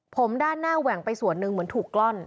ผมด้านหน้าแหว่งไปส่วนหนึ่งเหมือนถูกกล้อน